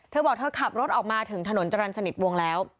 เธอบอกเธอขับรถออกมาถึงถนนจรรย์สนิทวงแล้ว